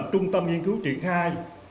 trung tâm nghiên cứu triển khai